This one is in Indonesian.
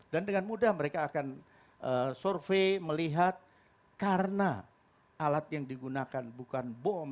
dan dengan mudah mereka akan survei melihat karena alat yang digunakan bukan bom